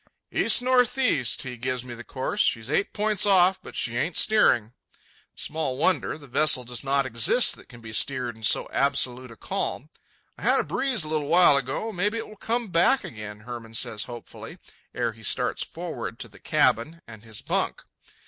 "East northeast," he gives me the course. "She's eight points off, but she ain't steering." Small wonder. The vessel does not exist that can be steered in so absolute a calm. "I had a breeze a little while ago—maybe it will come back again," Hermann says hopefully, ere he starts forward to the cabin and his bunk.